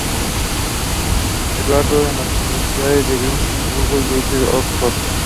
Educado en las universidades de Glasgow, Edimburgo, Leiden y Oxford.